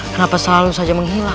kenapa selalu saja menghilang